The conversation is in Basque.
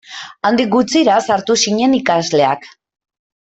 Handik gutxira sartu zinen ikasleak.